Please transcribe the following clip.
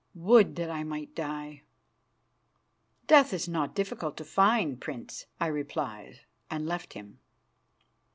Would that I might die." "Death is not difficult to find, Prince," I replied, and left him.